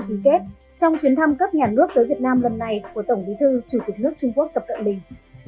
ký kết trong chuyến thăm cấp nhà nước tới việt nam lần này của tổng bí thư chủ tịch nước trung quốc tập cận bình